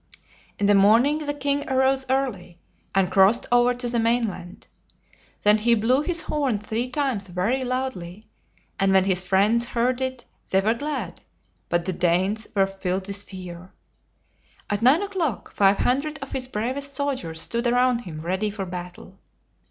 In the morning the king arose early, and crossed over to the mainland. Then he blew his horn three times very loudly; and when his friends heard it they were glad, but the Danes were filled with fear. At nine o'clock, five hundred of his bravest soldiers stood around him ready for battle.